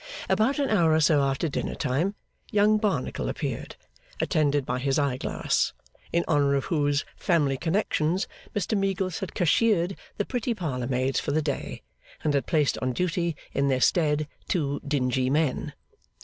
About an hour or so after dinner time, Young Barnacle appeared, attended by his eye glass; in honour of whose family connections, Mr Meagles had cashiered the pretty parlour maids for the day, and had placed on duty in their stead two dingy men.